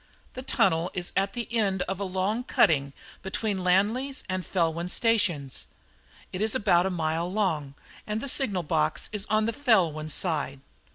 The tunnel is at the end of a long cutting between Llanlys and Felwyn stations. It is about a mile long, and the signal box is on the Felwyn side.